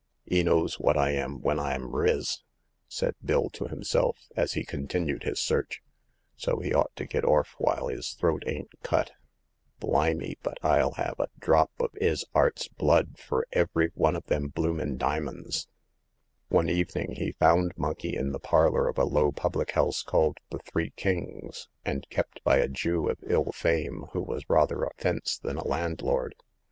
'E knows wot I am when I'm riz !" said Bill to himself, as he continued his search, "so he ought to get orf while 'is throat aia't cut I B^Ivkc 196 Hagar of the Pawn Shop. me ; but FU 'ave a drop of 'is 'cart's blood fur every one of them bloomin' dimins !" One evening he found Monkey in the parlor of a low public house called the Three Kings, and kept by a Jew of ill fame, who was rather a fence than a landlord.